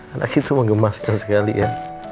anak itu mengemaskan sekali ya